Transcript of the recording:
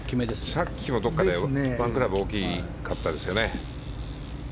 さっきもどこかで１クラブ大きかったですよね。